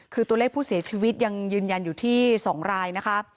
คือตัวเลขผู้เสียชีวิตยังยืนยันอยู่ที่๒รายนะคะ